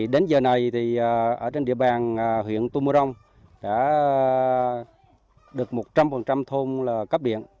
đến giờ này ở trên địa bàn huyện tumurong đã được một trăm linh thôn cấp điện